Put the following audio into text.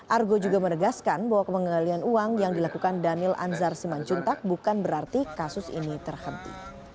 argo juga menegaskan bahwa pengendalian uang yang dilakukan daniel anzar simanjuntak bukan berarti kasus ini terhenti